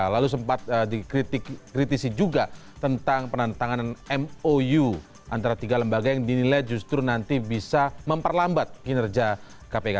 lalu sempat dikritisi juga tentang penantangan mou antara tiga lembaga yang dinilai justru nanti bisa memperlambat kinerja kpk